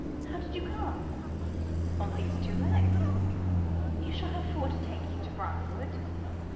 How did you come?" "On these two legs." "You shall have four to take you to Briarwood.